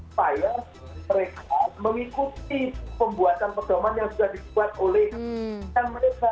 supaya mereka mengikuti pembuatan perdoman yang sudah dibuat oleh mereka